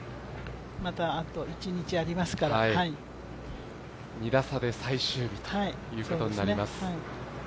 またあと一日ありますから２打差で最終日ということになります。